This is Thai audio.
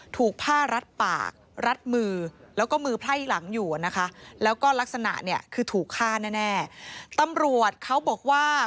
ถูกผ้ารัดปากรัดมือแล้วก็มือไพ่หลังอยู่นะคะ